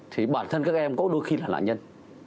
thì bản thân các em có đôi khi là lạ nhân